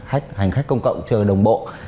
hành khách công cộng chơi đồng bộ